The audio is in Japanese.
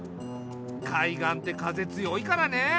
海岸って風強いからね。